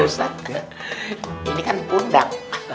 ustaz ini kan pundak